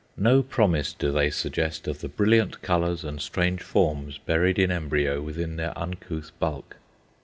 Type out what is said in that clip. No promise do they suggest of the brilliant colours and strange forms buried in embryo within their uncouth bulk.